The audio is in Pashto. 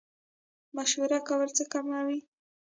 مشوره کول څه کموي؟